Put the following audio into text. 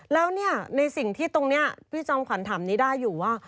แล้วเนี่ยในสิ่งที่ตรงนี้พี่จอมขวัญถามนี้ได้อยู่ว่า